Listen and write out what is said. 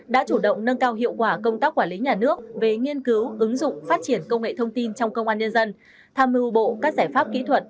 đã chủ động nâng cao hiệu quả công tác quản lý nhà nước về nghiên cứu ứng dụng phát triển công nghệ thông tin trong công an nhân dân tham mưu bộ các giải pháp kỹ thuật